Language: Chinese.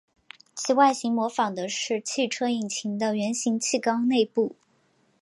其外形模仿的是汽车引擎的圆形汽缸内部。